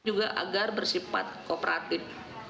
juga agar bersifat kooperatif